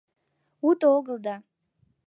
— Уто огыл да...